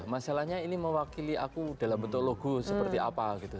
masalahnya ini mewakili aku dalam bentuk logo seperti apa gitu